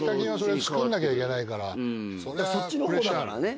そっちの方だからね。